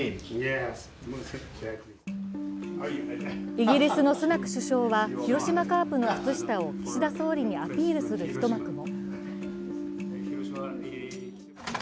イギリスのスナク首相は広島カープの靴下を岸田総理にアピールする一幕も。